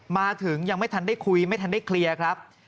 มาถึงยังไม่ทันได้คุยไม่ทันได้เคลียร์ครับ